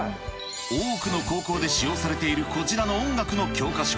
多くの高校で使用されているこちらの音楽の教科書。